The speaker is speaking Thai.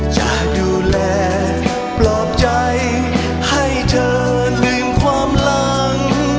จะดูแลปลอบใจให้เธอลืมความหลัง